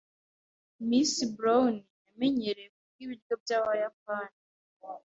Miss Brown yamenyereye kurya ibiryo byabayapani.